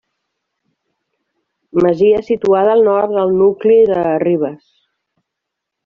Masia situada al nord del nucli de Ribes.